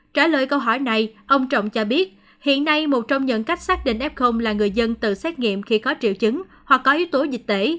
trả lời câu hỏi này ông trọng cho biết hiện nay một trong những cách xác định f là người dân tự xét nghiệm khi có triệu chứng hoặc có yếu tố dịch tễ